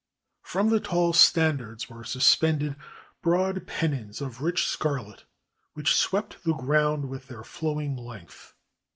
From the tall standards were suspended broad pennons of rich scarlet which swept the ground with their flow ing length.